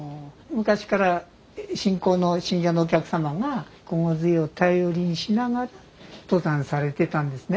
昔から信仰の信者のお客様が金剛杖を頼りにしながら登山されてたんですね。